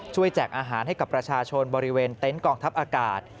แจกอาหารให้กับประชาชนบริเวณเต็นต์กองทัพอากาศ